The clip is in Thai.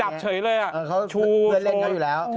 จับเฉ้ยเลยอะเมื่อนเล่นเค้าอยู่แล้ว